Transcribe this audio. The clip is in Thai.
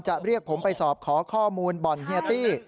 เรียกผมไปสอบขอข้อมูลบ่อนเฮียตี้